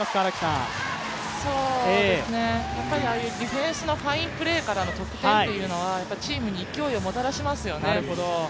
ああいうディフェンスのファインプレーからの得点というのはチームに勢いをもたらしますよね。